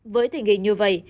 với tình hình như vậy